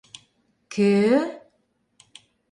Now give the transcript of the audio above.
— Кӧ-ӧ?..